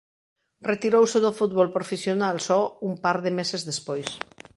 Retirouse do fútbol profesional só un par de meses despois.